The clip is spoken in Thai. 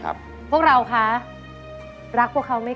โทษให้